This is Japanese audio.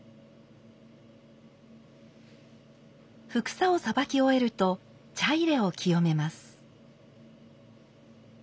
帛紗をさばき終えると茶入を清めます。